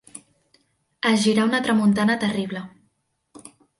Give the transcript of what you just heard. Es girà una tramuntana terrible.